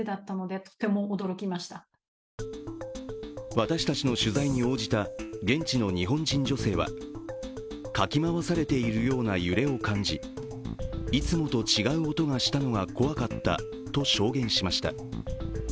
私たちの取材に応じた現地の日本人女性はかき回されているような揺れを感じいつもと違う音がしたのが怖かったと証言しました。